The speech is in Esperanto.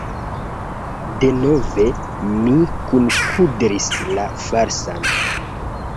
Denove mi kunkudris la falsan!